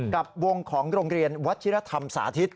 กับวงของโรงเรียนวัชิรธรรมสาธิต